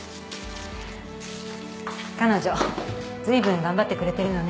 彼女ずいぶん頑張ってくれてるのね。